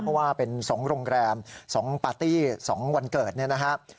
เพราะว่าเป็น๒โรงแรม๒ปาร์ตี้๒วันเกิดเนี่ยนะครับ